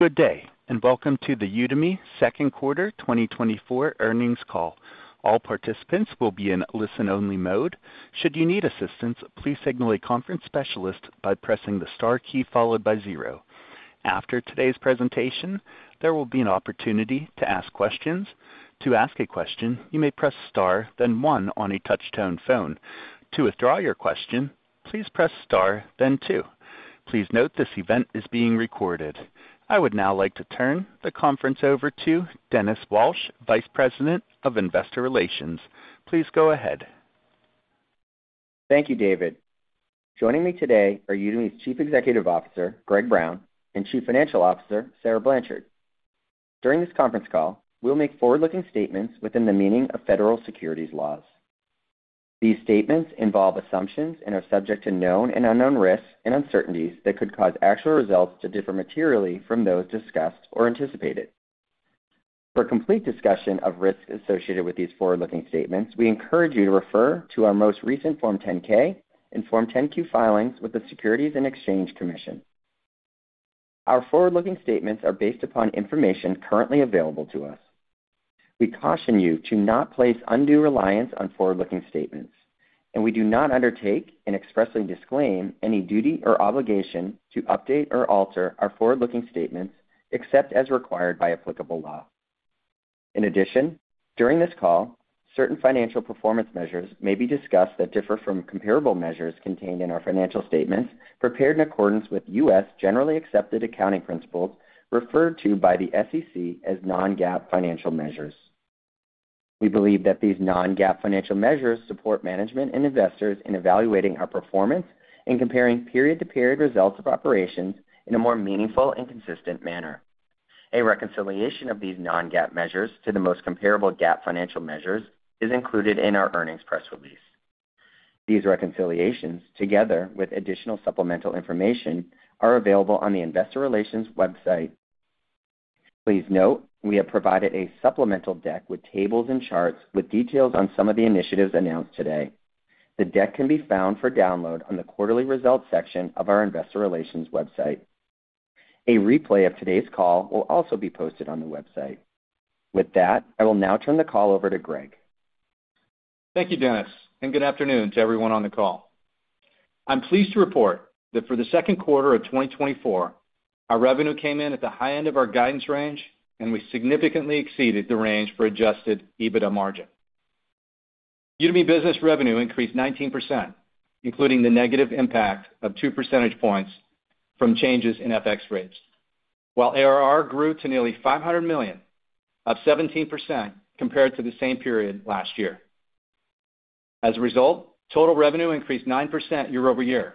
Good day, and welcome to the Udemy Q2 2024 Earnings Call. All participants will be in listen-only mode. Should you need assistance, please signal a conference specialist by pressing the star key followed by zero. After today's presentation, there will be an opportunity to ask questions. To ask a question, you may press star, then one on a touch-tone phone. To withdraw your question, please press star, then two. Please note this event is being recorded. I would now like to turn the conference over to Dennis Walsh, Vice President of Investor Relations. Please go ahead. Thank you, David. Joining me today are Udemy's Chief Executive Officer, Greg Brown, and Chief Financial Officer, Sarah Blanchard. During this conference call, we'll make forward-looking statements within the meaning of federal securities laws. These statements involve assumptions and are subject to known and unknown risks and uncertainties that could cause actual results to differ materially from those discussed or anticipated. For complete discussion of risks associated with these forward-looking statements, we encourage you to refer to our most recent Form 10-K and Form 10-Q filings with the Securities and Exchange Commission. Our forward-looking statements are based upon information currently available to us. We caution you to not place undue reliance on forward-looking statements, and we do not undertake and expressly disclaim any duty or obligation to update or alter our forward-looking statements except as required by applicable law. In addition, during this call, certain financial performance measures may be discussed that differ from comparable measures contained in our financial statements prepared in accordance with U.S. generally accepted accounting principles referred to by the SEC as non-GAAP financial measures. We believe that these non-GAAP financial measures support management and investors in evaluating our performance and comparing period-to-period results of operations in a more meaningful and consistent manner. A reconciliation of these non-GAAP measures to the most comparable GAAP financial measures is included in our earnings press release. These reconciliations, together with additional supplemental information, are available on the Investor Relations website. Please note we have provided a supplemental deck with tables and charts with details on some of the initiatives announced today. The deck can be found for download on the quarterly results section of our Investor Relations website. A replay of today's call will also be posted on the website. With that, I will now turn the call over to Greg. Thank you, Dennis, and good afternoon to everyone on the call. I'm pleased to report that for the Q2 of 2024, our revenue came in at the high end of our guidance range, and we significantly exceeded the range for Adjusted EBITDA margin. Udemy Business revenue increased 19%, including the negative impact of two percentage points from changes in FX rates, while ARR grew to nearly $500 million, up 17% compared to the same period last year. As a result, total revenue increased 9% year-over-year,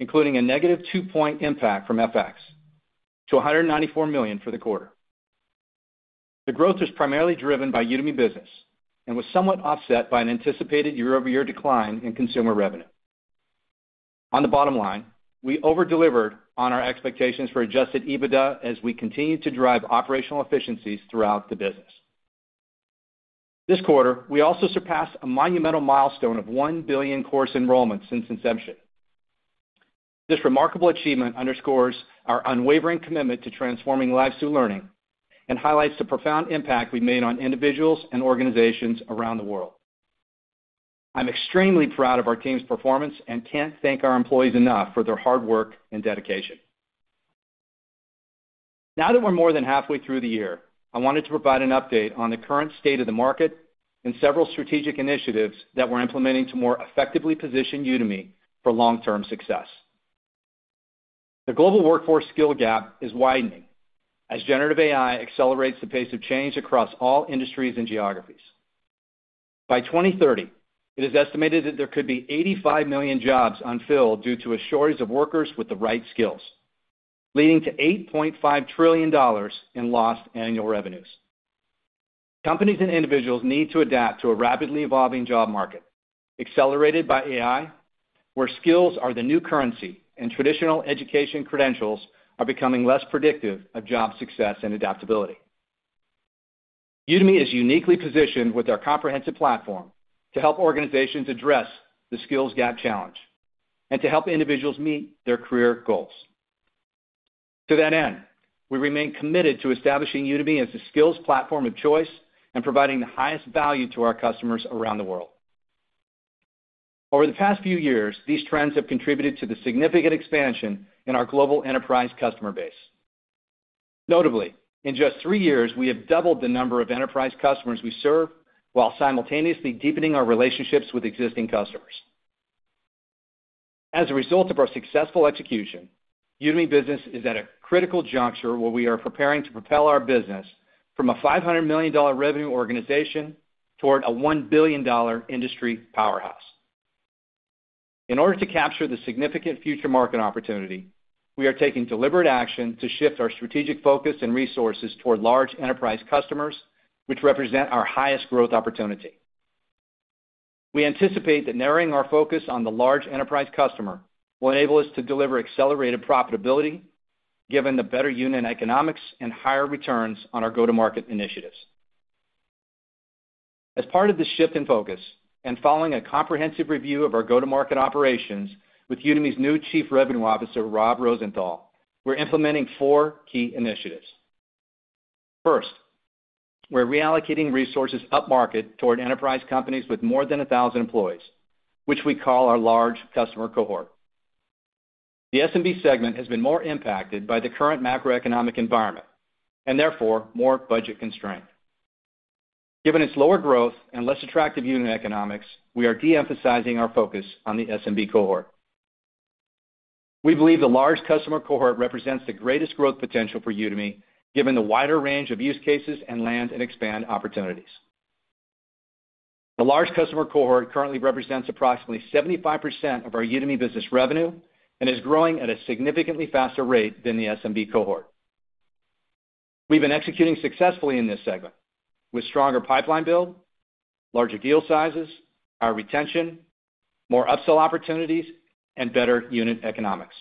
including a negative two-point impact from FX to $194 million for the quarter. The growth was primarily driven by Udemy Business and was somewhat offset by an anticipated year-over-year decline in consumer revenue. On the bottom line, we overdelivered on our expectations for Adjusted EBITDA as we continued to drive operational efficiencies throughout the business. This quarter, we also surpassed a monumental milestone of 1 billion course enrollments since inception. This remarkable achievement underscores our unwavering commitment to transforming lives through learning and highlights the profound impact we've made on individuals and organizations around the world. I'm extremely proud of our team's performance and can't thank our employees enough for their hard work and dedication. Now that we're more than halfway through the year, I wanted to provide an update on the current state of the market and several strategic initiatives that we're implementing to more effectively position Udemy for long-term success. The global workforce skill gap is widening as generative AI accelerates the pace of change across all industries and geographies. By 2030, it is estimated that there could be 85 million jobs unfilled due to a shortage of workers with the right skills, leading to $8.5 trillion in lost annual revenues. Companies and individuals need to adapt to a rapidly evolving job market accelerated by AI, where skills are the new currency and traditional education credentials are becoming less predictive of job success and adaptability. Udemy is uniquely positioned with our comprehensive platform to help organizations address the skills gap challenge and to help individuals meet their career goals. To that end, we remain committed to establishing Udemy as the skills platform of choice and providing the highest value to our customers around the world. Over the past few years, these trends have contributed to the significant expansion in our global enterprise customer base. Notably, in just three years, we have doubled the number of enterprise customers we serve while simultaneously deepening our relationships with existing customers. As a result of our successful execution, Udemy's business is at a critical juncture where we are preparing to propel our business from a $500 million revenue organization toward a $1 billion industry powerhouse. In order to capture the significant future market opportunity, we are taking deliberate action to shift our strategic focus and resources toward large enterprise customers, which represent our highest growth opportunity. We anticipate that narrowing our focus on the large enterprise customer will enable us to deliver accelerated profitability, given the better unit economics and higher returns on our go-to-market initiatives. As part of this shift in focus and following a comprehensive review of our go-to-market operations with Udemy's new Chief Revenue Officer, Rob Rosenthal, we're implementing four key initiatives. First, we're reallocating resources upmarket toward enterprise companies with more than 1,000 employees, which we call our Large Customer Cohort. The SMB segment has been more impacted by the current macroeconomic environment and therefore more budget constrained. Given its lower growth and less attractive unit economics, we are de-emphasizing our focus on the SMB cohort. We believe the large customer cohort represents the greatest growth potential for Udemy, given the wider range of use cases and land-and-expand opportunities. The large customer cohort currently represents approximately 75% of our Udemy Business revenue and is growing at a significantly faster rate than the SMB cohort. We've been executing successfully in this segment with stronger pipeline build, larger deal sizes, higher retention, more upsell opportunities, and better unit economics.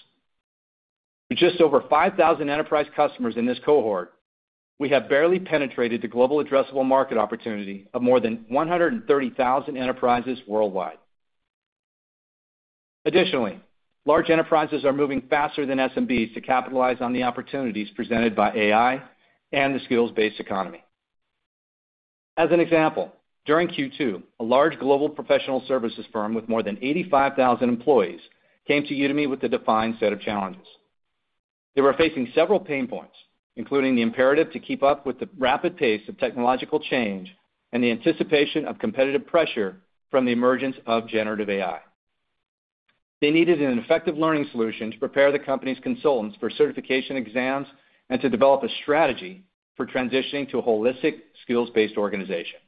With just over 5,000 enterprise customers in this cohort, we have barely penetrated the global addressable market opportunity of more than 130,000 enterprises worldwide. Additionally, large enterprises are moving faster than SMBs to capitalize on the opportunities presented by AI and the skills-based economy. As an example, during Q2, a large global professional services firm with more than 85,000 employees came to Udemy with a defined set of challenges. They were facing several pain points, including the imperative to keep up with the rapid pace of technological change and the anticipation of competitive pressure from the emergence of generative AI. They needed an effective learning solution to prepare the company's consultants for certification exams and to develop a strategy for transitioning to a holistic skills-based organization.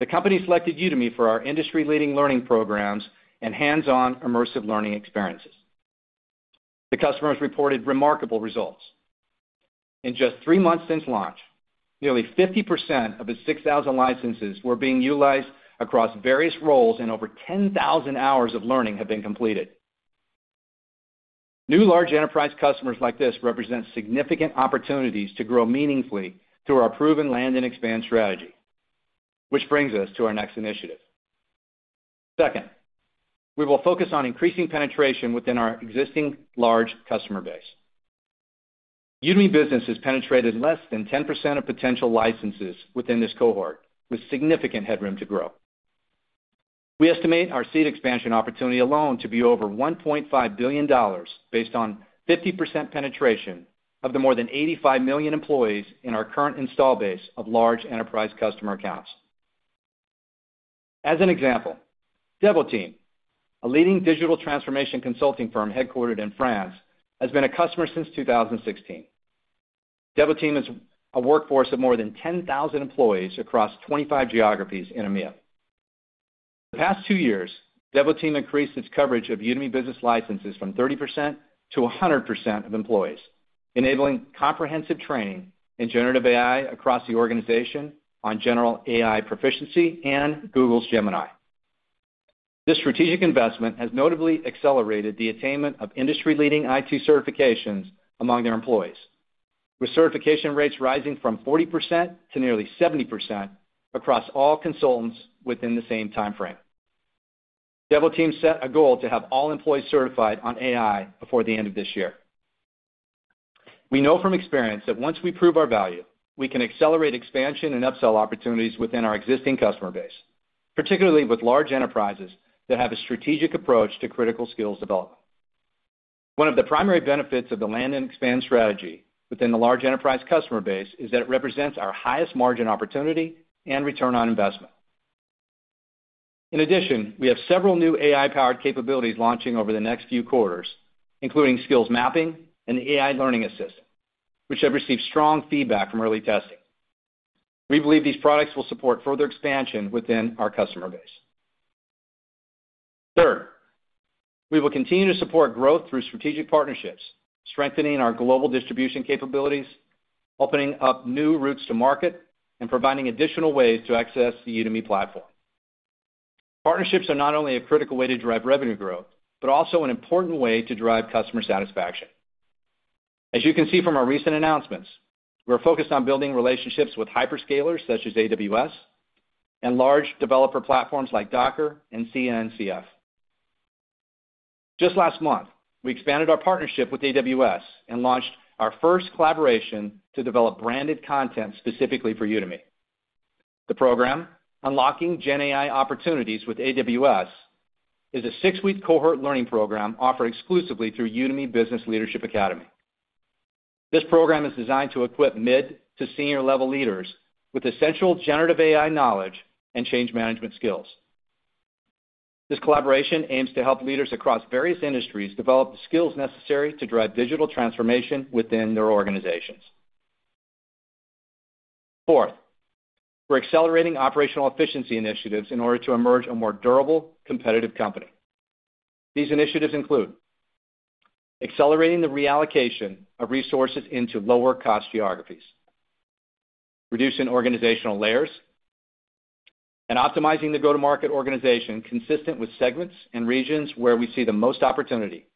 The company selected Udemy for our industry-leading learning programs and hands-on immersive learning experiences. The customers reported remarkable results. In just three months since launch, nearly 50% of its 6,000 licenses were being utilized across various roles, and over 10,000 hours of learning have been completed. New large enterprise customers like this represent significant opportunities to grow meaningfully through our proven land-and-expand strategy, which brings us to our next initiative. Second, we will focus on increasing penetration within our existing large customer base. Udemy Business has penetrated less than 10% of potential licenses within this cohort, with significant headroom to grow. We estimate our seed expansion opportunity alone to be over $1.5 billion based on 50% penetration of the more than 85 million employees in our current installed base of large enterprise customer accounts. As an example, Devoteam, a leading digital transformation consulting firm headquartered in France, has been a customer since 2016. Devoteam is a workforce of more than 10,000 employees across 25 geographies in EMEA. The past two years, Devoteam increased its coverage of Udemy business licenses from 30% to 100% of employees, enabling comprehensive training in generative AI across the organization on general AI proficiency and Google's Gemini. This strategic investment has notably accelerated the attainment of industry-leading IT certifications among their employees, with certification rates rising from 40% to nearly 70% across all consultants within the same timeframe. Devoteam set a goal to have all employees certified on AI before the end of this year. We know from experience that once we prove our value, we can accelerate expansion and upsell opportunities within our existing customer base, particularly with large enterprises that have a strategic approach to critical skills development. One of the primary benefits of the land-and-expand strategy within the large enterprise customer base is that it represents our highest margin opportunity and return on investment. In addition, we have several new AI-powered capabilities launching over the next few quarters, including skills mapping and the AI learning assistant, which have received strong feedback from early testing. We believe these products will support further expansion within our customer base. Third, we will continue to support growth through strategic partnerships, strengthening our global distribution capabilities, opening up new routes to market, and providing additional ways to access the Udemy platform. Partnerships are not only a critical way to drive revenue growth, but also an important way to drive customer satisfaction. As you can see from our recent announcements, we're focused on building relationships with hyperscalers such as AWS and large developer platforms like Docker and CNCF. Just last month, we expanded our partnership with AWS and launched our first collaboration to develop branded content specifically for Udemy. The program, Unlocking GenAI Opportunities with AWS, is a six-week cohort learning program offered exclusively through Udemy Business Leadership Academy. This program is designed to equip mid- to senior-level leaders with essential generative AI knowledge and change management skills. This collaboration aims to help leaders across various industries develop the skills necessary to drive digital transformation within their organizations. Fourth, we're accelerating operational efficiency initiatives in order to emerge a more durable, competitive company. These initiatives include accelerating the reallocation of resources into lower-cost geographies, reducing organizational layers, and optimizing the go-to-market organization consistent with segments and regions where we see the most opportunity,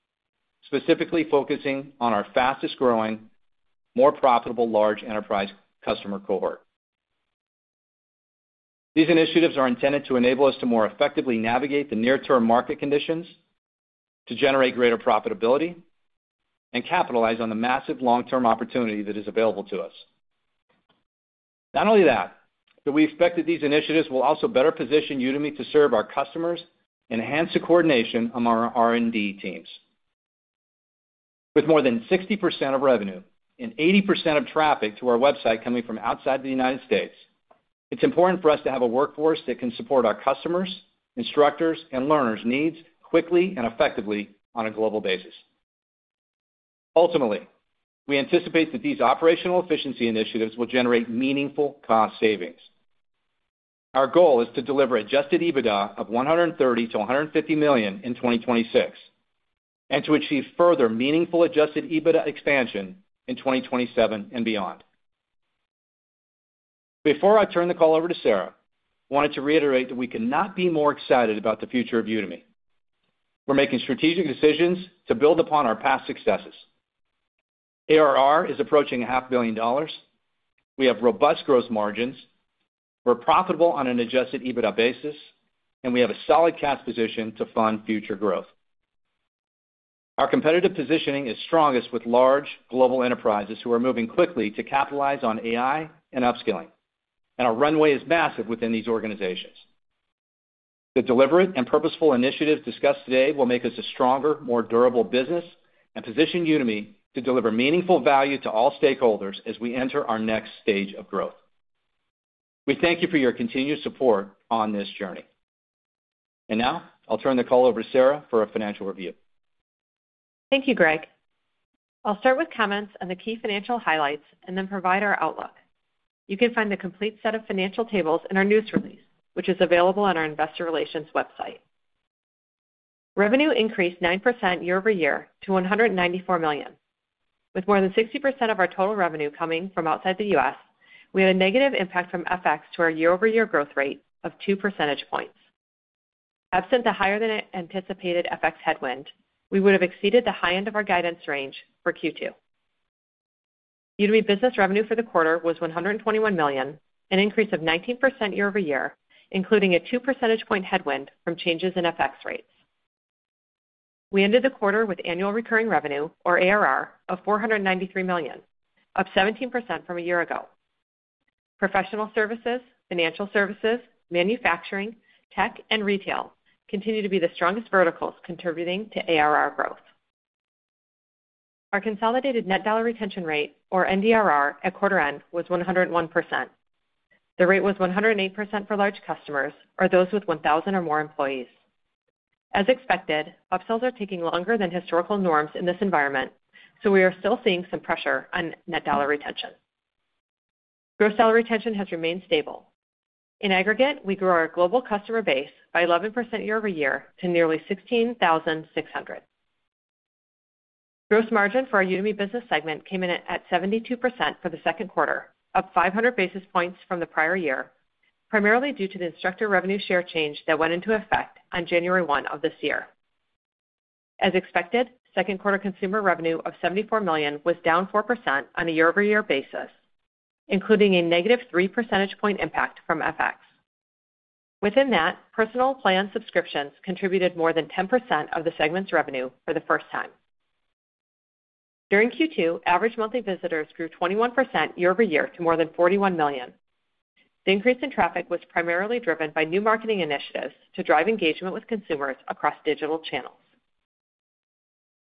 specifically focusing on our fastest-growing, more profitable large enterprise customer cohort. These initiatives are intended to enable us to more effectively navigate the near-term market conditions to generate greater profitability and capitalize on the massive long-term opportunity that is available to us. Not only that, but we expect that these initiatives will also better position Udemy to serve our customers and enhance the coordination among our R&D teams. With more than 60% of revenue and 80% of traffic to our website coming from outside the United States, it's important for us to have a workforce that can support our customers, instructors, and learners' needs quickly and effectively on a global basis. Ultimately, we anticipate that these operational efficiency initiatives will generate meaningful cost savings. Our goal is to deliver adjusted EBITDA of $130 million-$150 million in 2026 and to achieve further meaningful adjusted EBITDA expansion in 2027 and beyond. Before I turn the call over to Sarah, I wanted to reiterate that we cannot be more excited about the future of Udemy. We're making strategic decisions to build upon our past successes. ARR is approaching $500 million. We have robust gross margins. We're profitable on an Adjusted EBITDA basis, and we have a solid cash position to fund future growth. Our competitive positioning is strongest with large global enterprises who are moving quickly to capitalize on AI and upskilling, and our runway is massive within these organizations. The deliberate and purposeful initiatives discussed today will make us a stronger, more durable business and position Udemy to deliver meaningful value to all stakeholders as we enter our next stage of growth. We thank you for your continued support on this journey. Now, I'll turn the call over to Sarah for a financial review. Thank you, Greg. I'll start with comments on the key financial highlights and then provide our outlook. You can find the complete set of financial tables in our news release, which is available on our investor relations website. Revenue increased 9% year-over-year to $194 million. With more than 60% of our total revenue coming from outside the U.S., we had a negative impact from FX to our year-over-year growth rate of 2 percentage points. Absent the higher-than-anticipated FX headwind, we would have exceeded the high end of our guidance range for Q2. Udemy Business revenue for the quarter was $121 million, an increase of 19% year-over-year, including a 2 percentage point headwind from changes in FX rates. We ended the quarter with annual recurring revenue, or ARR, of $493 million, up 17% from a year ago. Professional services, financial services, manufacturing, tech, and retail continue to be the strongest verticals contributing to ARR growth. Our consolidated net dollar retention rate, or NDRR, at quarter-end was 101%. The rate was 108% for large customers or those with 1,000 or more employees. As expected, upsells are taking longer than historical norms in this environment, so we are still seeing some pressure on net dollar retention. Gross dollar retention has remained stable. In aggregate, we grew our global customer base by 11% year-over-year to nearly 16,600. Gross margin for our Udemy Business segment came in at 72% for the Q2, up 500 basis points from the prior year, primarily due to the instructor revenue share change that went into effect on January 1 of this year. As expected, second-quarter consumer revenue of $74 million was down 4% on a year-over-year basis, including a negative 3 percentage point impact from FX. Within that, Personal Plan subscriptions contributed more than 10% of the segment's revenue for the first time. During Q2, average monthly visitors grew 21% year-over-year to more than 41 million. The increase in traffic was primarily driven by new marketing initiatives to drive engagement with consumers across digital channels.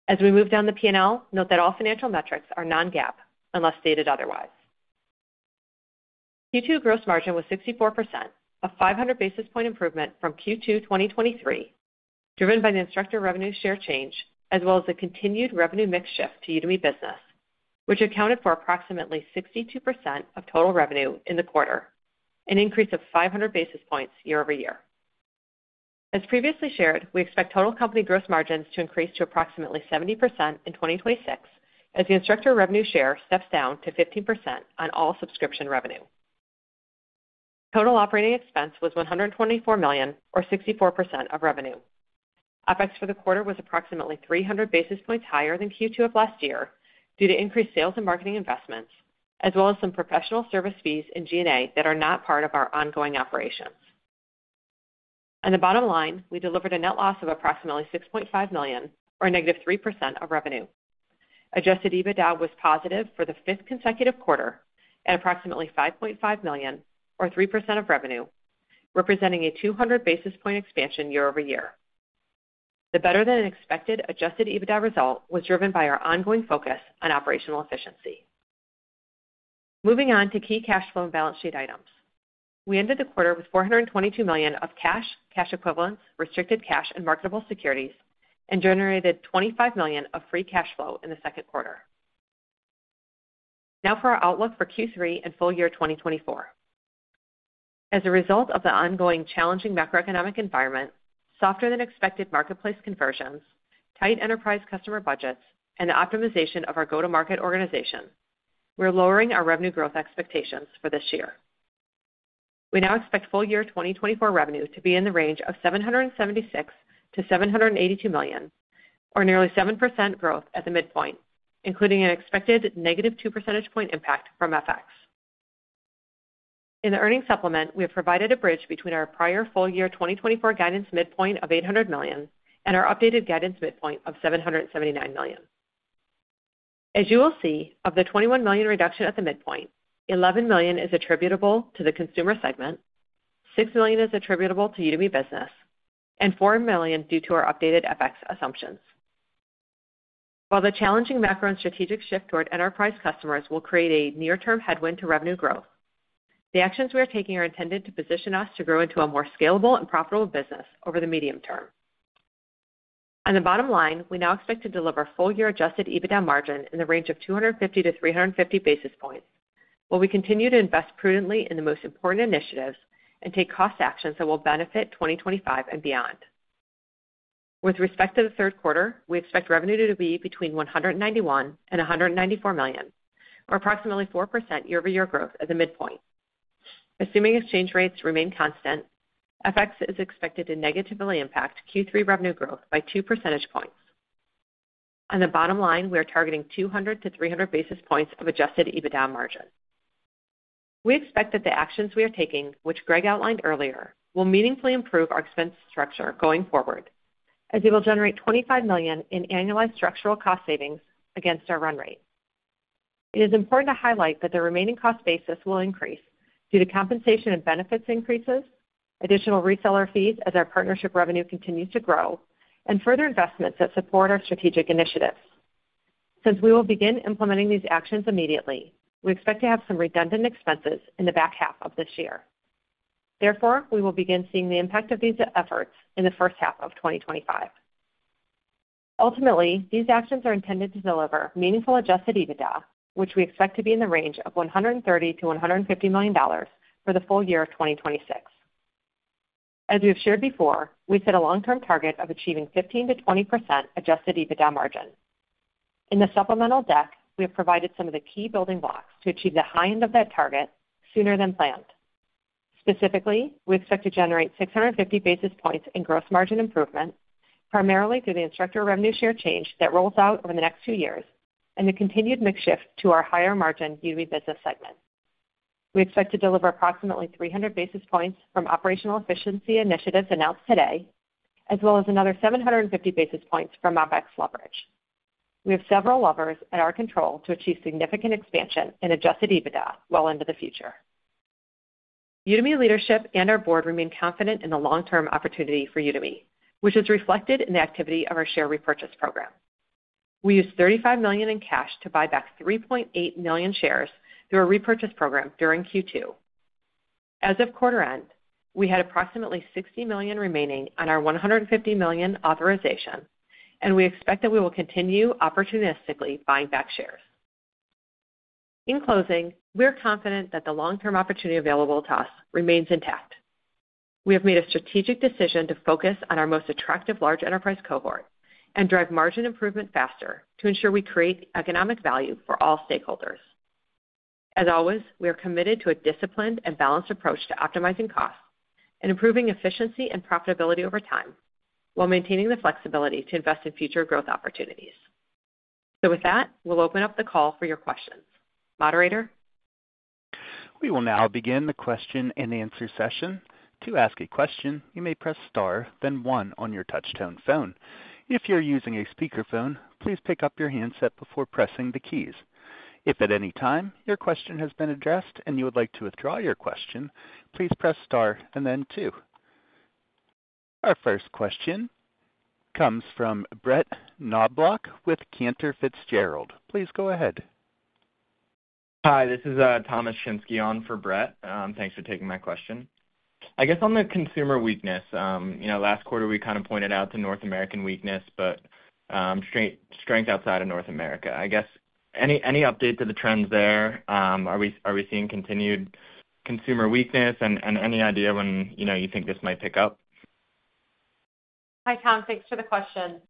As we move down the P&L, note that all financial metrics are non-GAAP unless stated otherwise. Q2 gross margin was 64%, a 500 basis point improvement from Q2 2023, driven by the instructor revenue share change, as well as the continued revenue mix shift to Udemy Business, which accounted for approximately 62% of total revenue in the quarter, an increase of 500 basis points year-over-year. As previously shared, we expect total company gross margins to increase to approximately 70% in 2026 as the instructor revenue share steps down to 15% on all subscription revenue. Total operating expense was $124 million, or 64% of revenue. FX for the quarter was approximately 300 basis points higher than Q2 of last year due to increased sales and marketing investments, as well as some professional service fees in G&A that are not part of our ongoing operations. On the bottom line, we delivered a net loss of approximately $6.5 million, or -3% of revenue. Adjusted EBITDA was positive for the fifth consecutive quarter at approximately $5.5 million, or 3% of revenue, representing a 200 basis point expansion year-over-year. The better-than-expected Adjusted EBITDA result was driven by our ongoing focus on operational efficiency. Moving on to key cash flow and balance sheet items. We ended the quarter with $422 million of cash, cash equivalents, restricted cash, and marketable securities, and generated $25 million of free cash flow in the Q2. Now for our outlook for Q3 and full year 2024. As a result of the ongoing challenging macroeconomic environment, softer-than-expected marketplace conversions, tight enterprise customer budgets, and the optimization of our go-to-market organization, we're lowering our revenue growth expectations for this year. We now expect full year 2024 revenue to be in the range of $776 million-$782 million, or nearly 7% growth at the midpoint, including an expected negative 2 percentage point impact from FX. In the earnings supplement, we have provided a bridge between our prior full year 2024 guidance midpoint of $800 million and our updated guidance midpoint of $779 million. As you will see, of the $21 million reduction at the midpoint, $11 million is attributable to the consumer segment, $6 million is attributable to Udemy Business, and $4 million due to our updated FX assumptions. While the challenging macro and strategic shift toward enterprise customers will create a near-term headwind to revenue growth, the actions we are taking are intended to position us to grow into a more scalable and profitable business over the medium term. On the bottom line, we now expect to deliver full-year Adjusted EBITDA margin in the range of 250-350 basis points, while we continue to invest prudently in the most important initiatives and take cost actions that will benefit 2025 and beyond. With respect to the Q3, we expect revenue to be between $191 million and $194 million, or approximately 4% year-over-year growth at the midpoint. Assuming exchange rates remain constant, FX is expected to negatively impact Q3 revenue growth by 2 percentage points. On the bottom line, we are targeting 200-300 basis points of Adjusted EBITDA margin. We expect that the actions we are taking, which Greg outlined earlier, will meaningfully improve our expense structure going forward, as it will generate $25 million in annualized structural cost savings against our run rate. It is important to highlight that the remaining cost basis will increase due to compensation and benefits increases, additional reseller fees as our partnership revenue continues to grow, and further investments that support our strategic initiatives. Since we will begin implementing these actions immediately, we expect to have some redundant expenses in the back half of this year. Therefore, we will begin seeing the impact of these efforts in the first half of 2025. Ultimately, these actions are intended to deliver meaningful Adjusted EBITDA, which we expect to be in the range of $130 million-$150 million for the full year of 2026. As we've shared before, we set a long-term target of achieving 15%-20% Adjusted EBITDA margin. In the supplemental deck, we have provided some of the key building blocks to achieve the high end of that target sooner than planned. Specifically, we expect to generate 650 basis points in gross margin improvement, primarily through the instructor revenue share change that rolls out over the next 2 years and the continued mix shift to our higher-margin Udemy Business segment. We expect to deliver approximately 300 basis points from operational efficiency initiatives announced today, as well as another 750 basis points from FX leverage. We have several levers at our control to achieve significant expansion in Adjusted EBITDA well into the future. Udemy leadership and our board remain confident in the long-term opportunity for Udemy, which is reflected in the activity of our share repurchase program. We used $35 million in cash to buy back 3.8 million shares through a repurchase program during Q2. As of quarter-end, we had approximately $60 million remaining on our $150 million authorization, and we expect that we will continue opportunistically buying back shares. In closing, we are confident that the long-term opportunity available to us remains intact. We have made a strategic decision to focus on our most attractive large enterprise cohort and drive margin improvement faster to ensure we create economic value for all stakeholders. As always, we are committed to a disciplined and balanced approach to optimizing costs and improving efficiency and profitability over time while maintaining the flexibility to invest in future growth opportunities. So with that, we'll open up the call for your questions. Moderator. We will now begin the question and answer session. To ask a question, you may press star, then 1 on your touch-tone phone. If you're using a speakerphone, please pick up your handset before pressing the keys. If at any time your question has been addressed and you would like to withdraw your question, please press star and then 2. Our first question comes from Brett Knoblauch with Cantor Fitzgerald. Please go ahead. Hi, this is Thomas Shinske on for Brett. Thanks for taking my question. I guess on the consumer weakness, last quarter we kind of pointed out the North American weakness, but strength outside of North America. I guess any update to the trends there? Are we seeing continued consumer weakness and any idea when you think this might pick up? Hi, Tom. Thanks for the question.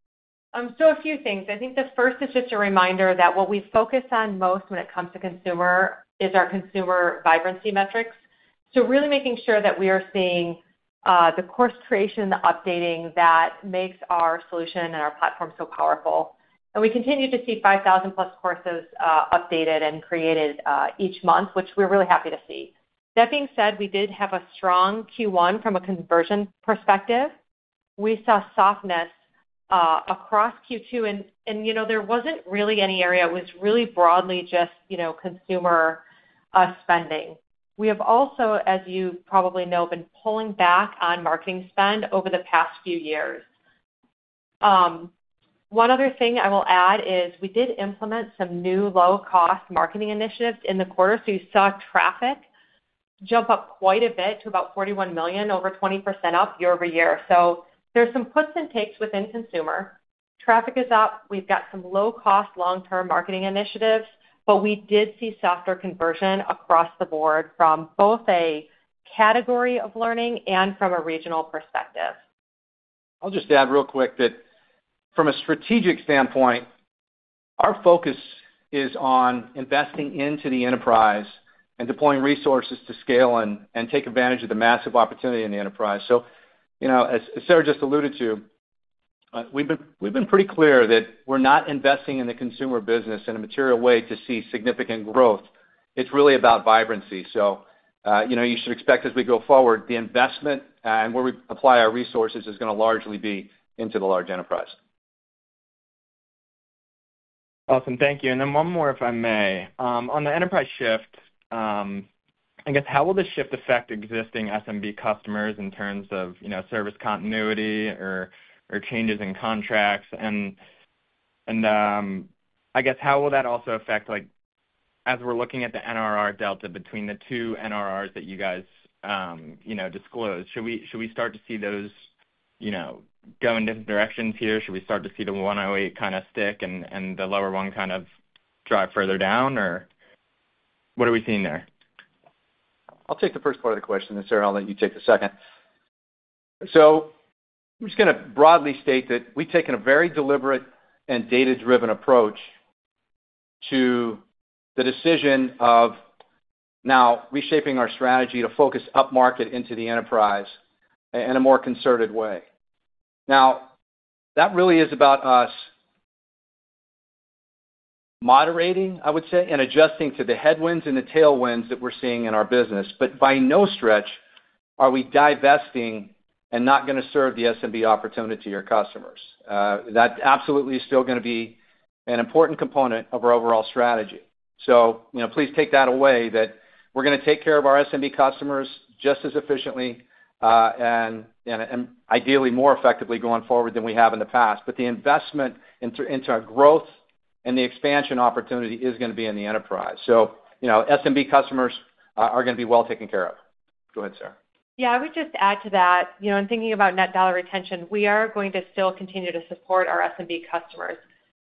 So a few things. I think the first is just a reminder that what we focus on most when it comes to consumer is our consumer vibrancy metrics. So really making sure that we are seeing the course creation and the updating that makes our solution and our platform so powerful. And we continue to see 5,000+ courses updated and created each month, which we're really happy to see. That being said, we did have a strong Q1 from a conversion perspective. We saw softness across Q2, and there wasn't really any area. It was really broadly just consumer spending. We have also, as you probably know, been pulling back on marketing spend over the past few years. One other thing I will add is we did implement some new low-cost marketing initiatives in the quarter, so you saw traffic jump up quite a bit to about 41 million, over 20% up year-over-year. So there's some puts and takes within consumer. Traffic is up. We've got some low-cost long-term marketing initiatives, but we did see softer conversion across the board from both a category of learning and from a regional perspective. I'll just add real quick that from a strategic standpoint, our focus is on investing into the enterprise and deploying resources to scale and take advantage of the massive opportunity in the enterprise. So as Sarah just alluded to, we've been pretty clear that we're not investing in the consume business in a material way to see significant growth. It's really about vibrancy. So you should expect as we go forward, the investment and where we apply our resources is going to largely be into the large enterprise. Awesome. Thank you. And then one more if I may. On the enterprise shift, I guess how will this shift affect existing SMB customers in terms of service continuity or changes in contracts? And I guess how will that also affect as we're looking at the NRR delta between the two NRRs that you guys disclosed? Should we start to see those go in different directions here? Should we start to see the 108% kind of stick and the lower one kind of drive further down? Or what are we seeing there? I'll take the first part of the question, and Sarah, I'll let you take the second. So I'm just going to broadly state that we've taken a very deliberate and data-driven approach to the decision of now reshaping our strategy to focus up market into the enterprise in a more concerted way. Now, that really is about us moderating, I would say, and adjusting to the headwinds and the tailwinds that we're seeing in our business. But by no stretch are we divesting and not going to serve the SMB opportunity to your customers. That absolutely is still going to be an important component of our overall strategy. So please take that away that we're going to take care of our SMB customers just as efficiently and ideally more effectively going forward than we have in the past. But the investment into our growth and the expansion opportunity is going to be in the enterprise. So SMB customers are going to be well taken care of. Go ahead, Sarah. Yeah, I would just add to that. In thinking about net dollar retention, we are going to still continue to support our SMB customers.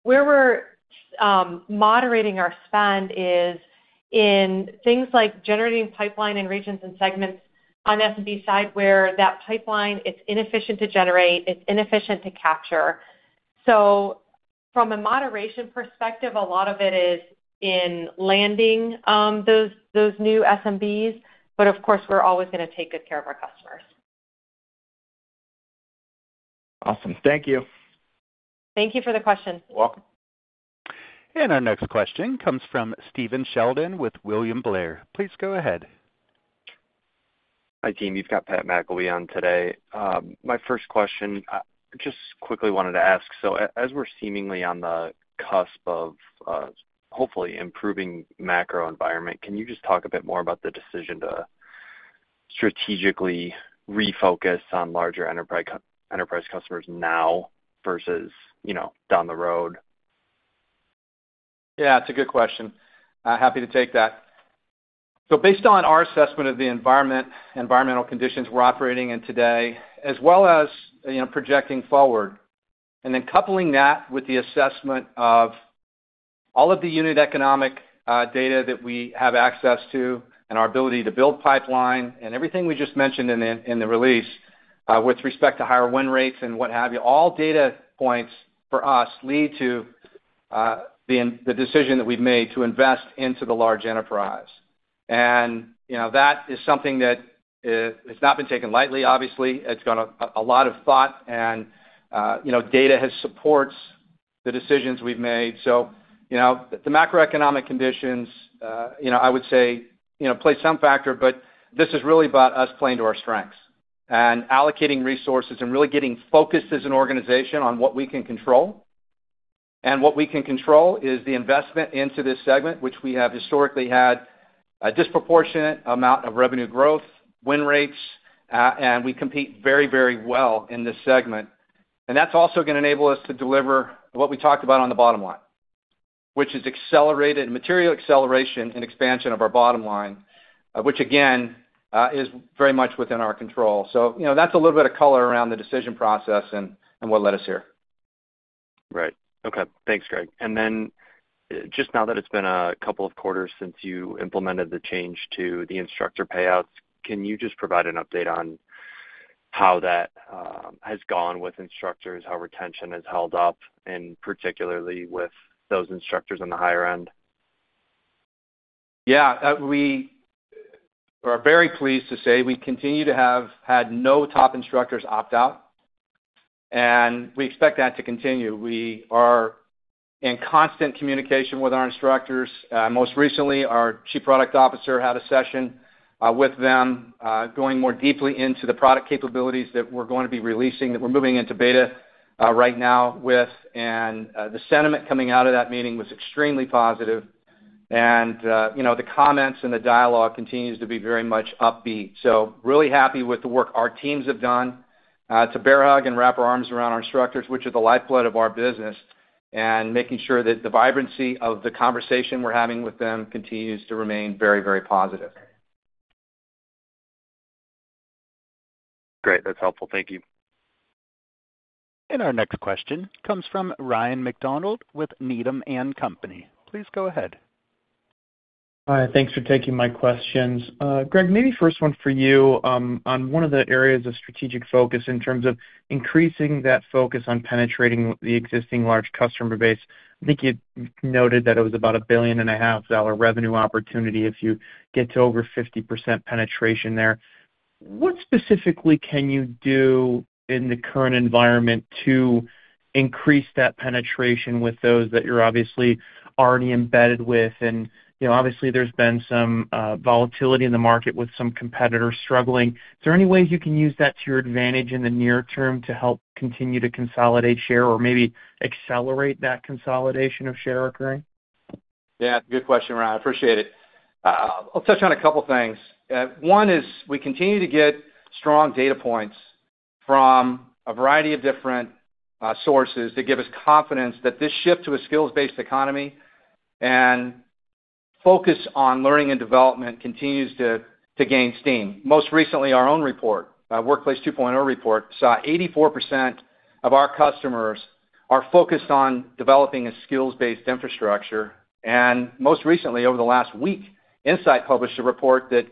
Where we're moderating our spend is in things like generating pipeline and regions and segments on SMB side where that pipeline, it's inefficient to generate, it's inefficient to capture. So from a moderation perspective, a lot of it is in landing those new SMBs, but of course, we're always going to take good care of our customers. Awesome. Thank you. Thank you for the question. You're welcome. And our next question comes from Steven Sheldon with William Blair. Please go ahead. Hi, team. You've got Pat McIlwee on today. My first question, just quickly wanted to ask, so as we're seemingly on the cusp of hopefully improving macro environment, can you just talk a bit more about the decision to strategically refocus on larger enterprise customers now versus down the road? Yeah, it's a good question. Happy to take that. Based on our assessment of the environmental conditions we're operating in today, as well as projecting forward, and then coupling that with the assessment of all of the unit economic data that we have access to and our ability to build pipeline and everything we just mentioned in the release with respect to higher win rates and what have you, all data points for us lead to the decision that we've made to invest into the large enterprise. That is something that has not been taken lightly, obviously. It's got a lot of thought, and data has supported the decisions we've made. So the macroeconomic conditions, I would say, play some factor, but this is really about us playing to our strengths and allocating resources and really getting focused as an organization on what we can control. And what we can control is the investment into this segment, which we have historically had a disproportionate amount of revenue growth, win rates, and we compete very, very well in this segment. And that's also going to enable us to deliver what we talked about on the bottom line, which is material acceleration and expansion of our bottom line, which again is very much within our control. So that's a little bit of color around the decision process and what led us here. Right. Okay. Thanks, Greg. Then just now that it's been a couple of quarters since you implemented the change to the instructor payouts, can you just provide an update on how that has gone with instructors, how retention has held up, and particularly with those instructors on the higher end? Yeah. We are very pleased to say we continue to have had no top instructors opt out, and we expect that to continue. We are in constant communication with our instructors. Most recently, our Chief Product Officer had a session with them going more deeply into the product capabilities that we're going to be releasing, that we're moving into beta right now with. The sentiment coming out of that meeting was extremely positive. The comments and the dialogue continue to be very much upbeat. So really happy with the work our teams have done to bear hug and wrap our arms around our instructors, which are the lifeblood of our business, and making sure that the vibrancy of the conversation we're having with them continues to remain very, very positive. Great. That's helpful. Thank you. And our next question comes from Ryan MacDonald with Needham & Company. Please go ahead. Hi. Thanks for taking my questions. Greg, maybe first one for you on one of the areas of strategic focus in terms of increasing that focus on penetrating the existing large customer base. I think you noted that it was about a $1.5 billion revenue opportunity if you get to over 50% penetration there. What specifically can you do in the current environment to increase that penetration with those that you're obviously already embedded with? Obviously, there's been some volatility in the market with some competitors struggling. Is there any way you can use that to your advantage in the near term to help continue to consolidate share or maybe accelerate that consolidation of share occurring? Yeah. Good question, Ron. I appreciate it. I'll touch on a couple of things. One is we continue to get strong data points from a variety of different sources that give us confidence that this shift to a skills-based economy and focus on learning and development continues to gain steam. Most recently, our own report, Workplace 2.0 report, saw 84% of our customers are focused on developing a skills-based infrastructure. Most recently, over the last week, Insight published a report that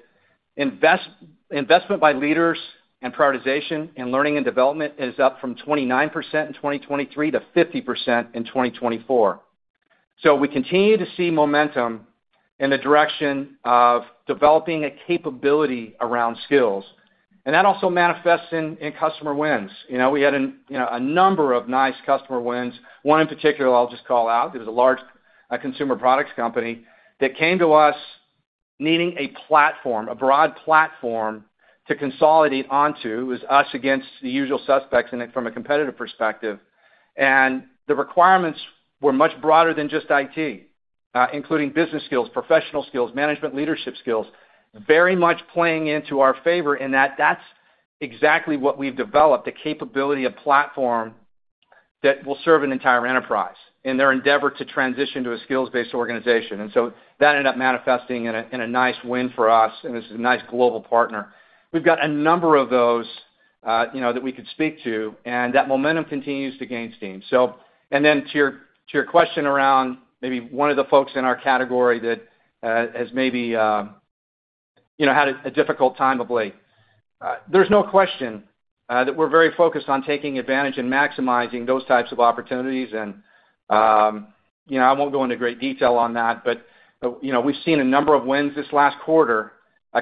investment by leaders and prioritization and learning and development is up from 29% in 2023 to 50% in 2024. So we continue to see momentum in the direction of developing a capability around skills. And that also manifests in customer wins. We had a number of nice customer wins. One in particular I'll just call out. It was a large consumer products company that came to us needing a platform, a broad platform to consolidate onto. It was us against the usual suspects from a competitive perspective. And the requirements were much broader than just IT, including business skills, professional skills, management leadership skills, very much playing into our favor in that that's exactly what we've developed, the capability of platform that will serve an entire enterprise in their endeavor to transition to a skills-based organization. And so that ended up manifesting in a nice win for us, and this is a nice global partner. We've got a number of those that we could speak to, and that momentum continues to gain steam. And then to your question around maybe one of the folks in our category that has maybe had a difficult time of late, there's no question that we're very focused on taking advantage and maximizing those types of opportunities. And I won't go into great detail on that, but we've seen a number of wins this last quarter,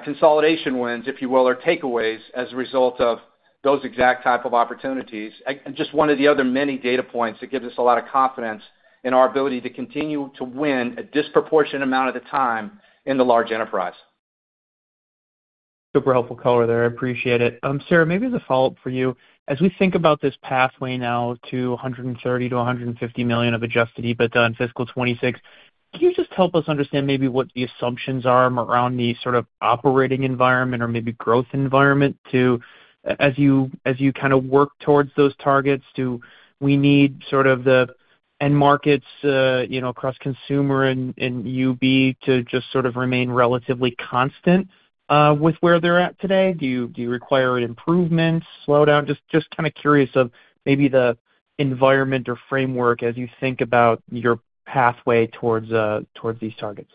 consolidation wins, if you will, or takeaways as a result of those exact type of opportunities. And just one of the other many data points that gives us a lot of confidence in our ability to continue to win a disproportionate amount of the time in the large enterprise. Super helpful color there. I appreciate it. Sarah, maybe as a follow-up for you, as we think about this pathway now to $130 million-$150 million of Adjusted EBITDA in fiscal 2026, can you just help us understand maybe what the assumptions are around the sort of operating environment or maybe growth environment as you kind of work towards those targets? Do we need sort of the end markets across consumer and UB to just sort of remain relatively constant with where they're at today? Do you require an improvement, slowdown? Just kind of curious of maybe the environment or framework as you think about your pathway towards these targets.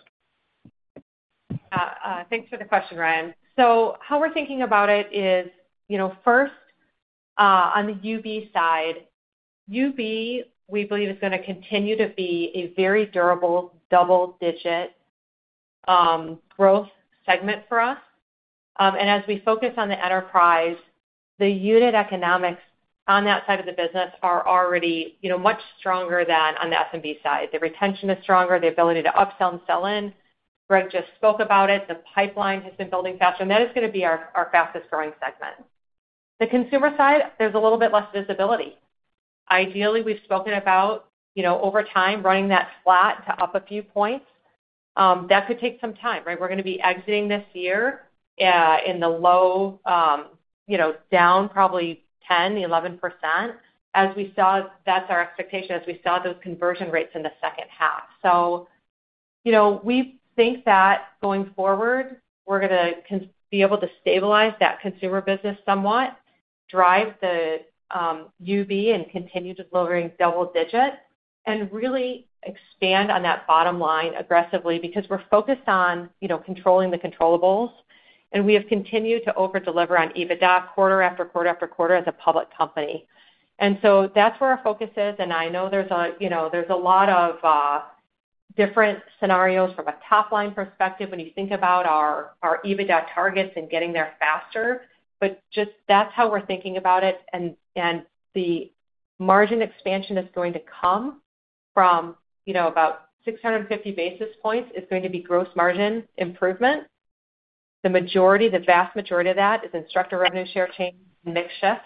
Yeah. Thanks for the question, Ryan. So how we're thinking about it is first on the UB side, UB, we believe is going to continue to be a very durable double-digit growth segment for us. As we focus on the enterprise, the unit economics on that side of the business are already much stronger than on the SMB side. The retention is stronger, the ability to upsell and sell in. Greg just spoke about it. The pipeline has been building faster, and that is going to be our fastest growing segment. The consumer side, there's a little bit less visibility. Ideally, we've spoken about over time running that flat to up a few points. That could take some time, right? We're going to be exiting this year in the low down probably 10%-11%, as we saw that's our expectation as we saw those conversion rates in the second half. We think that going forward, we're going to be able to stabilize that consumer business somewhat, drive the UB and continue to delivering double-digit, and really expand on that bottom line aggressively because we're focused on controlling the controllables, and we have continued to overdeliver on EBITDA quarter after quarter after quarter as a public company. So that's where our focus is. I know there's a lot of different scenarios from a top-line perspective when you think about our EBITDA targets and getting there faster, but just that's how we're thinking about it. The margin expansion that's going to come from about 650 basis points is going to be gross margin improvement. The vast majority of that is instructor revenue share change and mix shift.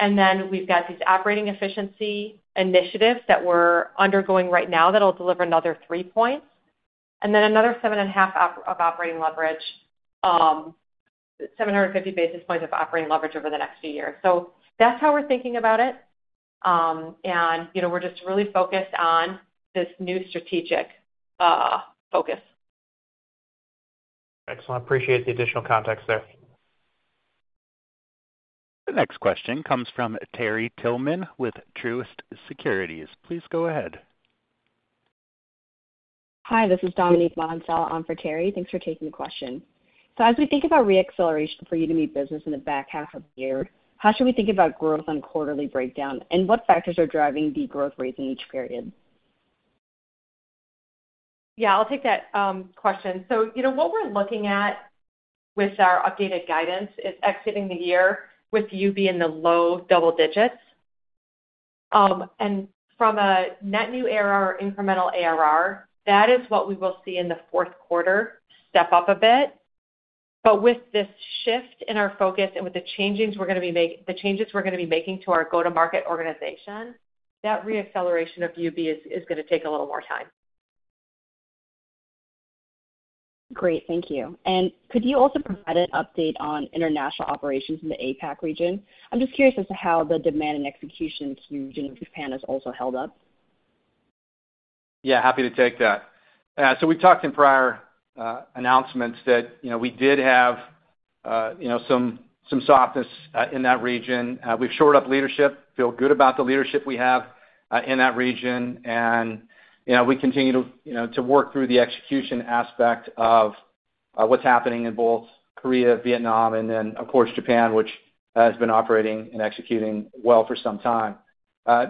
Then we've got these operating efficiency initiatives that we're undergoing right now that'll deliver another three points. Then another 7.5 of operating leverage, 750 basis points of operating leverage over the next few years. So that's how we're thinking about it. And we're just really focused on this new strategic focus. Excellent. Appreciate the additional context there. The next question comes from Terry Tillman with Truist Securities. Please go ahead. Hi. This is Dominique Menansala for Terry. Thanks for taking the question. So as we think about reacceleration for UB business in the back half of the year, how should we think about growth on quarterly breakdown, and what factors are driving the growth rate in each period? Yeah. I'll take that question. So what we're looking at with our updated guidance is exiting the year with UB in the low double digits. And from a net new or incremental ARR, that is what we will see in the Q4 step up a bit. But with this shift in our focus and with the changes we're going to be making, the changes we're going to be making to our go-to-market organization, that reacceleration of UB is going to take a little more time. Great. Thank you. And could you also provide an update on international operations in the APAC region? I'm just curious as to how the demand and execution in Japan has also held up. Yeah. Happy to take that. So we've talked in prior announcements that we did have some softness in that region. We've shored up leadership, feel good about the leadership we have in that region. And we continue to work through the execution aspect of what's happening in both Korea, Vietnam, and then, of course, Japan, which has been operating and executing well for some time.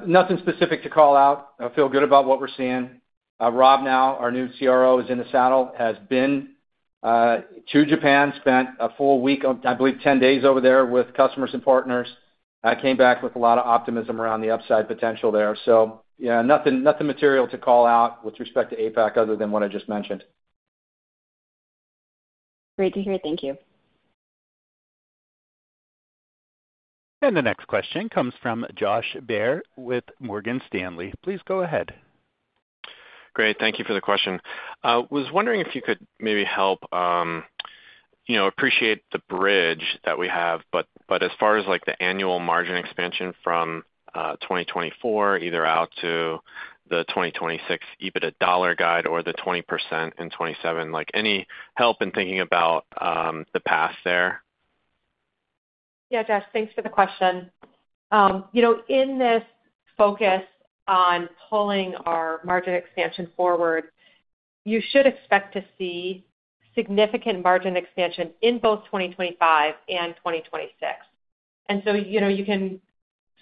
Nothing specific to call out. I feel good about what we're seeing. Rob now, our new CRO, is in the saddle, has been to Japan, spent a full week, I believe 10 days over there with customers and partners, came back with a lot of optimism around the upside potential there. So nothing material to call out with respect to APAC other than what I just mentioned. Great to hear. Thank you. And the next question comes from Josh Baer with Morgan Stanley. Please go ahead. Great. Thank you for the question. I was wondering if you could maybe help appreciate the bridge that we have, but as far as the annual margin expansion from 2024, either out to the 2026 EBITDA dollar guide or the 20% in 2027, any help in thinking about the path there? Yeah, Josh. Thanks for the question. In this focus on pulling our margin expansion forward, you should expect to see significant margin expansion in both 2025 and 2026. And so you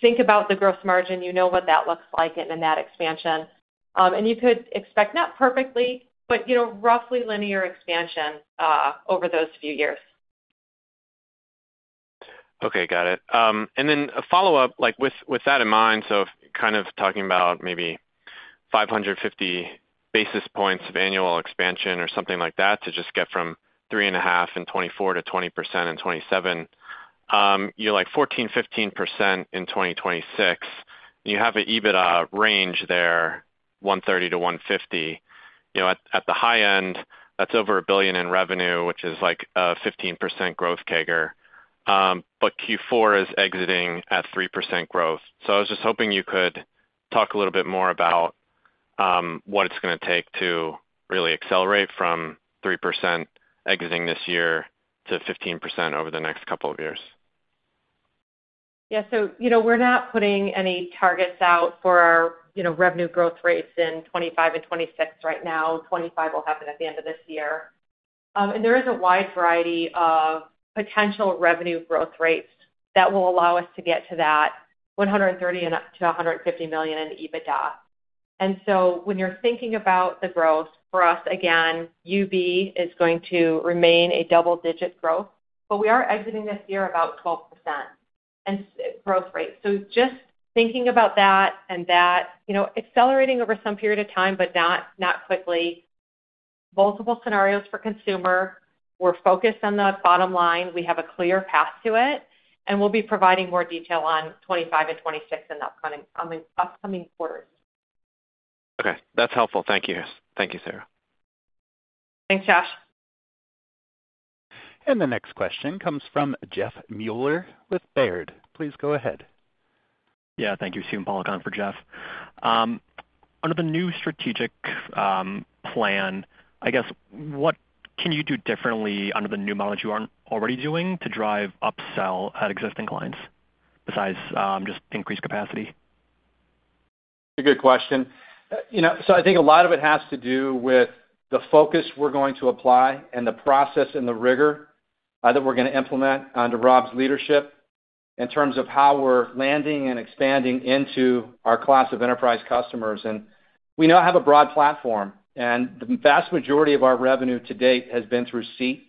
can think about the gross margin, you know what that looks like in that expansion. And you could expect not perfectly, but roughly linear expansion over those few years. Okay. Got it. And then a follow-up with that in mind, so kind of talking about maybe 550 basis points of annual expansion or something like that to just get from 3.5 in 2024 to 20% in 2027, you're like 14, 15% in 2026. And you have an EBITDA range there, $130-$150. At the high end, that's over $1 billion in revenue, which is like a 15% growth CAGR. But Q4 is exiting at 3% growth. So I was just hoping you could talk a little bit more about what it's going to take to really accelerate from 3% exiting this year to 15% over the next couple of years. Yeah. So we're not putting any targets out for revenue growth rates in 2025 and 2026 right now. 2025 will happen at the end of this year. And there is a wide variety of potential revenue growth rates that will allow us to get to that $130 million-$150 million in EBITDA. And so when you're thinking about the growth for us, again, UB is going to remain a double-digit growth, but we are exiting this year about 12% growth rate. So just thinking about that and that accelerating over some period of time, but not quickly. Multiple scenarios for consumer. We're focused on the bottom line. We have a clear path to it. And we'll be providing more detail on 2025 and 2026 in the upcoming quarters. Okay. That's helpful. Thank you. Thank you, Sarah. Thanks, Josh. And the next question comes from Jeff Mueller with Baird. Please go ahead. Yeah. Thank you, Steven Pawlak, for Jeff. Under the new strategic plan, I guess, what can you do differently under the new model that you aren't already doing to drive upsell at existing clients besides just increased capacity? That's a good question. So I think a lot of it has to do with the focus we're going to apply and the process and the rigor that we're going to implement under Rob's leadership in terms of how we're landing and expanding into our class of enterprise customers. And we now have a broad platform. And the vast majority of our revenue to date has been through seat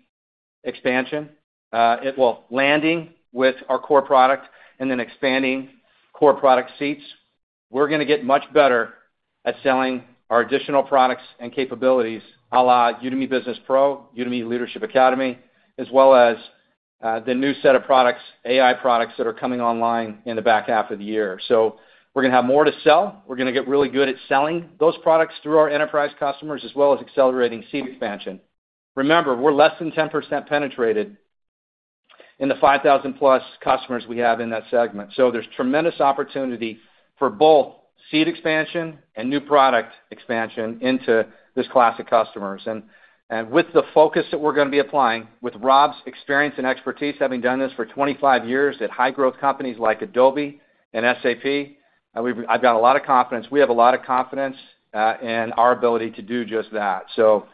expansion, well, landing with our core product and then expanding core product seats. We're going to get much better at selling our additional products and capabilities, Udemy Business Pro, Udemy Business Leadership Academy, as well as the new set of products, AI products that are coming online in the back half of the year. So we're going to have more to sell. We're going to get really good at selling those products through our enterprise customers as well as accelerating seat expansion. Remember, we're less than 10% penetrated in the 5,000-plus customers we have in that segment. So there's tremendous opportunity for both seat expansion and new product expansion into this class of customers. And with the focus that we're going to be applying, with Rob's experience and expertise having done this for 25 years at high-growth companies like Adobe and SAP, I've got a lot of confidence. We have a lot of confidence in our ability to do just that. So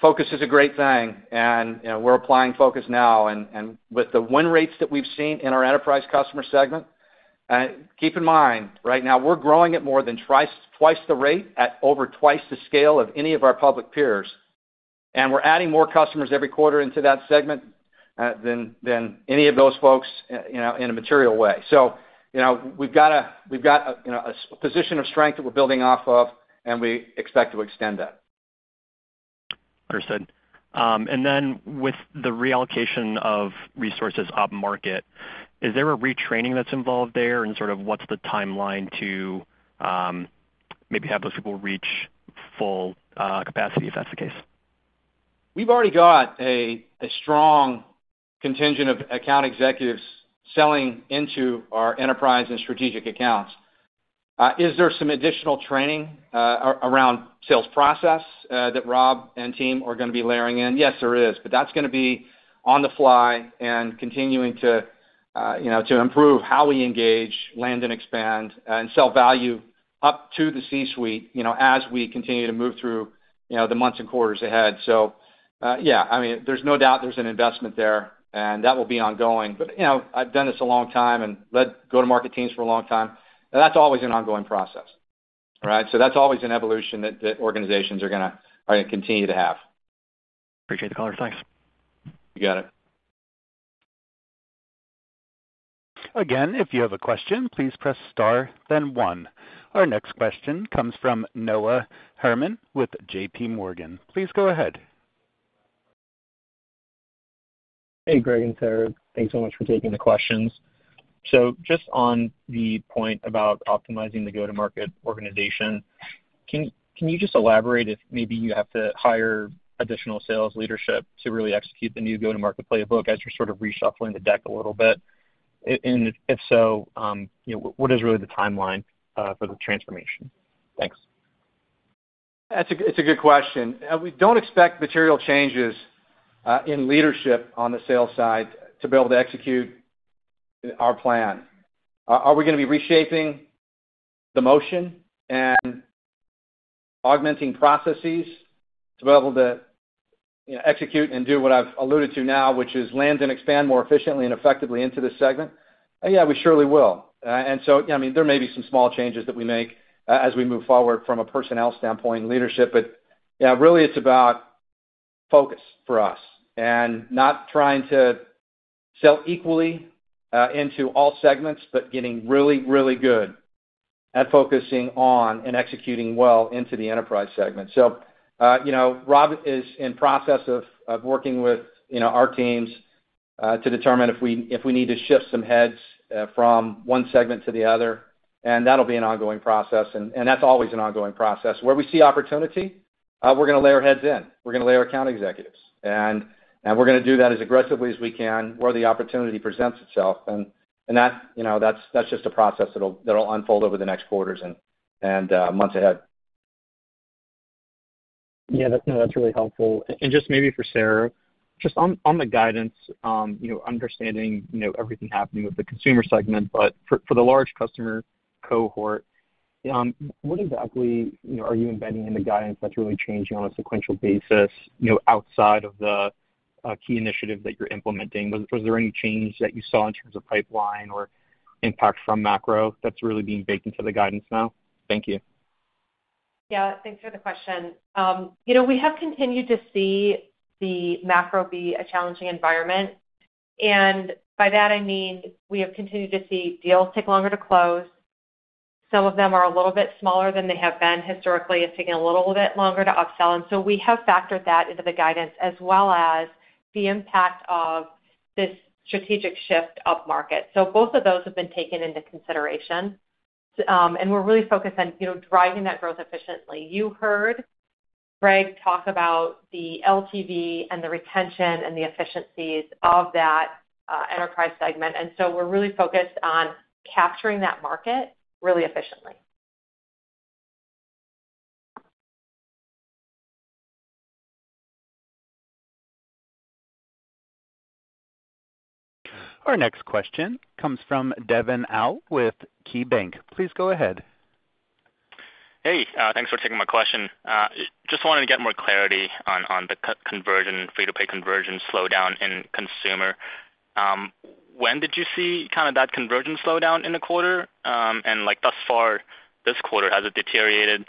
focus is a great thing. We're applying focus now. With the win rates that we've seen in our enterprise customer segment, keep in mind, right now, we're growing at more than twice the rate at over twice the scale of any of our public peers. We're adding more customers every quarter into that segment than any of those folks in a material way. So we've got a position of strength that we're building off of, and we expect to extend that. Understood. Then with the reallocation of resources up market, is there a retraining that's involved there? And sort of what's the timeline to maybe have those people reach full capacity if that's the case? We've already got a strong contingent of account executives selling into our enterprise and strategic accounts. Is there some additional training around sales process that Rob and team are going to be layering in? Yes, there is. But that's going to be on the fly and continuing to improve how we engage, land and expand, and sell value up to the C-suite as we continue to move through the months and quarters ahead. So yeah, I mean, there's no doubt there's an investment there, and that will be ongoing. But I've done this a long time and led go-to-market teams for a long time. And that's always an ongoing process, right? So that's always an evolution that organizations are going to continue to have. Appreciate the color. Thanks. You got it. Again, if you have a question, please press star, then one. Our next question comes from Noah Herman with JPMorgan. Please go ahead. Hey, Greg and Sarah. Thanks so much for taking the questions. So just on the point about optimizing the go-to-market organization, can you just elaborate if maybe you have to hire additional sales leadership to really execute the new go-to-market playbook as you're sort of reshuffling the deck a little bit? And if so, what is really the timeline for the transformation? Thanks. It's a good question. We don't expect material changes in leadership on the sales side to be able to execute our plan. Are we going to be reshaping the motion and augmenting processes to be able to execute and do what I've alluded to now, which is land and expand more efficiently and effectively into this segment? Yeah, we surely will. And so, yeah, I mean, there may be some small changes that we make as we move forward from a personnel standpoint leadership. But yeah, really, it's about focus for us and not trying to sell equally into all segments, but getting really, really good at focusing on and executing well into the enterprise segment. So Rob is in process of working with our teams to determine if we need to shift some heads from one segment to the other. And that'll be an ongoing process. And that's always an ongoing process. Where we see opportunity, we're going to layer heads in. We're going to layer account executives. And we're going to do that as aggressively as we can where the opportunity presents itself. And that's just a process that'll unfold over the next quarters and months ahead. Yeah. No, that's really helpful. And just maybe for Sarah, just on the guidance, understanding everything happening with the consumer segment, but for the large customer cohort, what exactly are you embedding in the guidance that's really changing on a sequential basis outside of the key initiatives that you're implementing? Was there any change that you saw in terms of pipeline or impact from macro that's really being baked into the guidance now? Thank you. Yeah. Thanks for the question. We have continued to see the macro be a challenging environment. And by that, I mean we have continued to see deals take longer to close. Some of them are a little bit smaller than they have been historically. It's taken a little bit longer to upsell. And so we have factored that into the guidance as well as the impact of this strategic shift up market. Both of those have been taken into consideration. We're really focused on driving that growth efficiently. You heard Greg talk about the LTV and the retention and the efficiencies of that enterprise segment. We're really focused on capturing that market really efficiently. Our next question comes from Devin Au with KeyBanc. Please go ahead. Hey. Thanks for taking my question. Just wanted to get more clarity on the conversion, free-to-paid conversion slowdown in consumer. When did you see kind of that conversion slowdown in the quarter? And thus far, this quarter, has it deteriorated?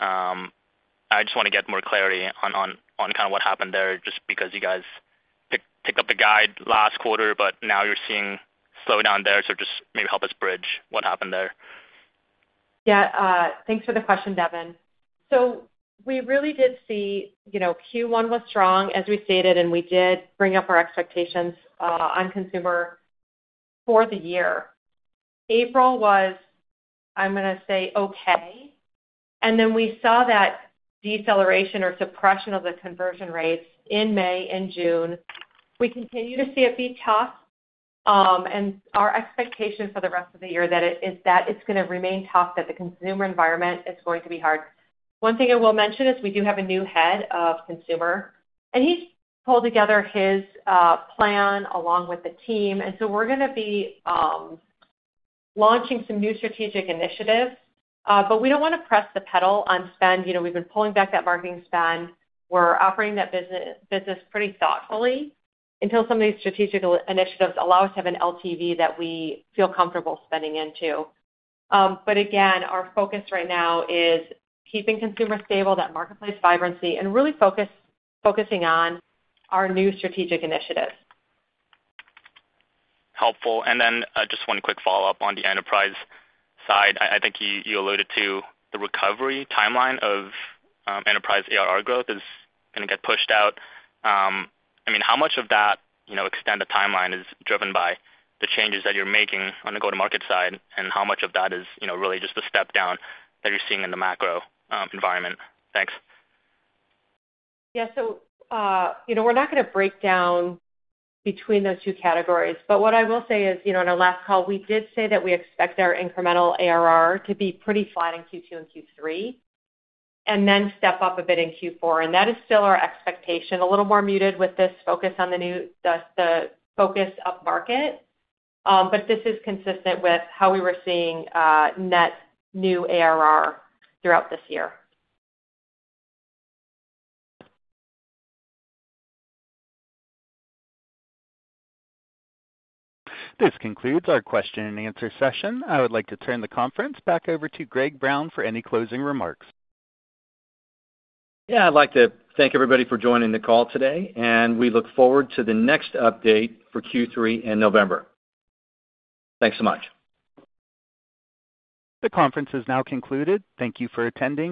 I just want to get more clarity on kind of what happened there just because you guys picked up the guide last quarter, but now you're seeing slowdown there. So just maybe help us bridge what happened there. Yeah. Thanks for the question, Devin. So we really did see Q1 was strong, as we stated, and we did bring up our expectations on consumer for the year. April was, I'm going to say, okay. And then we saw that deceleration or suppression of the conversion rates in May and June. We continue to see it be tough. And our expectation for the rest of the year is that it's going to remain tough, that the consumer environment is going to be hard. One thing I will mention is we do have a new head of consumer. And he's pulled together his plan along with the team. And so we're going to be launching some new strategic initiatives. But we don't want to press the pedal on spend. We've been pulling back that marketing spend. We're operating that business pretty thoughtfully until some of these strategic initiatives allow us to have an LTV that we feel comfortable spending into. But again, our focus right now is keeping consumers stable, that marketplace vibrancy, and really focusing on our new strategic initiatives. Helpful. And then just one quick follow-up on the enterprise side. I think you alluded to the recovery timeline of enterprise ARR growth is going to get pushed out. I mean, how much of that extent of timeline is driven by the changes that you're making on the go-to-market side, and how much of that is really just the step down that you're seeing in the macro environment? Thanks. Yeah. So we're not going to break down between those two categories. What I will say is, on our last call, we did say that we expect our incremental ARR to be pretty flat in Q2 and Q3 and then step up a bit in Q4. That is still our expectation, a little more muted with this focus on the focus up market. This is consistent with how we were seeing net new ARR throughout this year. This concludes our question and answer session. I would like to turn the conference back over to Greg Brown for any closing remarks. Yeah. I'd like to thank everybody for joining the call today. We look forward to the next update for Q3 in November. Thanks so much. The conference has now concluded. Thank you for attending.